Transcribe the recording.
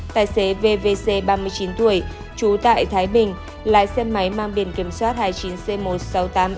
tài xế vvc ba mươi chín tuổi chú tại thái bình lại xe máy mang biển kiểm soát hai mươi chín c một trăm sáu mươi tám xx